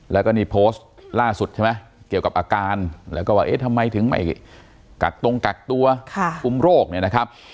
แล้วก็นี่โพสต์ล่าสุดใช่ไหมเกี่ยวกับอาการแล้วก็ว่าเอ๊ะทำไมถึงไม่กักตรงกักตัวคุมโรคเนี่ยนะครับ